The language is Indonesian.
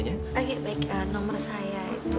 oh ya baik nomer saya itu